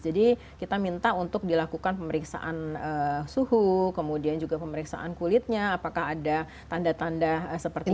jadi kita minta untuk dilakukan pemeriksaan suhu kemudian juga pemeriksaan kulitnya apakah ada tanda tanda seperti itu